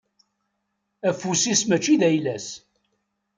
Afus-is mačči d ayla-s.